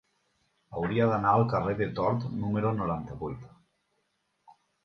Hauria d'anar al carrer de Tort número noranta-vuit.